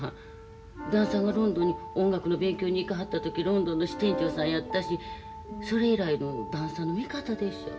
旦さんがロンドンに音楽の勉強に行かはった時ロンドンの支店長さんやったしそれ以来の旦さんの味方でっしゃろ？